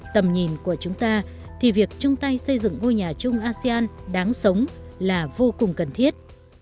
tầm nhìn của chúng ta thì việc chung tay xây dựng ngôi nhà chung asean đáng sống là vô cùng cần thiết